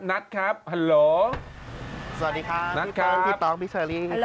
นัทครับฮัลโหลสวัสดีครับนัทครับพี่ต้องพี่เซอรี่สวัสดีครับ